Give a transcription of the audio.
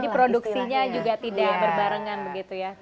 jadi produksinya juga tidak berbarengan begitu ya